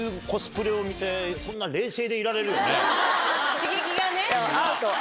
刺激がね。